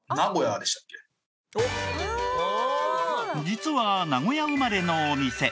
実は名古屋生まれのお店。